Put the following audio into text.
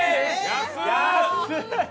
安い！